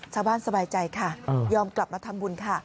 ชาวบ้านสบายใจค่ะยอมกลับมาทำบุญค่ะ